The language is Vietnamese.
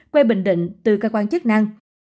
quê bình định từ cơ quan chức năng